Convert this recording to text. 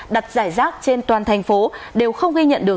đặt giải rác trên toàn thành phố đều không ghi nhận được